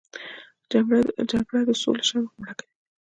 جګړه د سولې شمعه مړه کوي